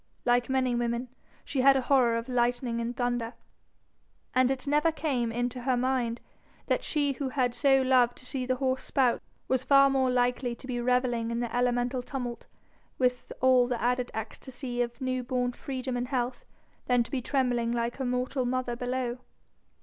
Like many women she had a horror of lightning and thunder, and it never came into her mind that she who had so loved to see the horse spout was far more likely to be revelling in the elemental tumult, with all the added ecstasy of newborn freedom and health, than to be trembling like her mortal mother below.